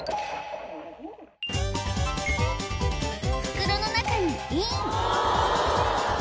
袋の中にイン！